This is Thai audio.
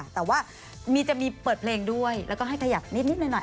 แต่ว่าจะมีเปิดเพลงด้วยแล้วก็ให้ขยับนิดหน่อย